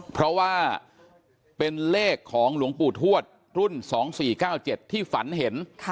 เพราะว่าเป็นเลขของหลวงปู่ทวดรุ่น๒๔๙๗ที่ฝันเห็น